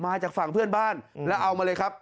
มาจากฝั่งเพื่อนบ้านแล้วเอามาเลยครับ